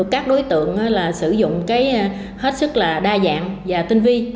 các đối tượng sử dụng hết sức là đa dạng và tinh vi